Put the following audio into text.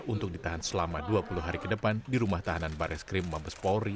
untuk ditahan selama dua puluh hari ke depan di rumah tahanan baris krim mabes polri